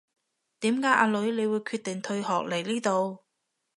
點解阿女你會決定退學嚟呢度